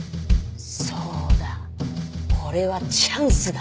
「そうだこれはチャンスだ！」